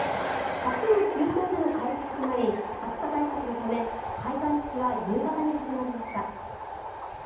初の中東での開催となり暑さ対策のため開会式は夕方に始まりました。